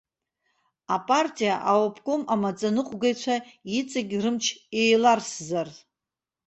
Апартиа аобком амаӡаныҟәгаҩцәа иҵегь рымч еиларсзар.